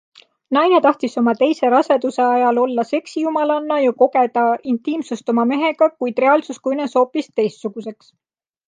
Naine tahtis oma teise raseduse ajal olla seksijumalanna ja kogeda intiimsust oma mehega, kuid reaalsus kujunes hoopis teistsuguseks...